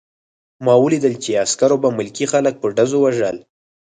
ما ولیدل چې عسکرو به ملکي خلک په ډزو وژل